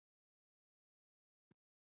د حکومت آخري میاشت او سقوط ته نږدې